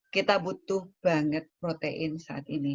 kita butuh banget protein saat ini